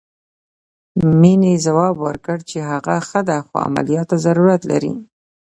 مينې ځواب ورکړ چې هغه ښه ده خو عمليات ته ضرورت لري.